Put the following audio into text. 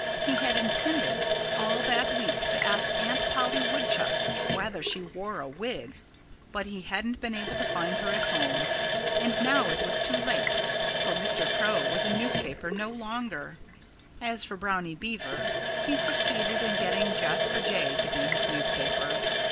He had intended all that week to ask Aunt Polly Woodchuck whether she wore a wig. But he hadn't been able to find her at home. And now it was too late for Mr. Crow was a newspaper no longer. As for Brownie Beaver, he succeeded in getting Jasper Jay to be his newspaper.